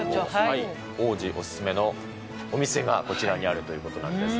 王子お勧めのお店がこちらにあるということなんですが。